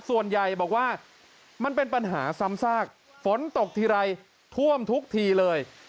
ส่วนใหญ่บอกว่ามันเป็นปัญหาซ้ำซากฝนตกทีไรท่วมทุกทีเลย